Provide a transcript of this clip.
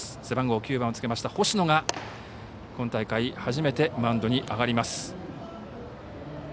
背番号９番をつけた星野が今大会初めてマウンドに上がります。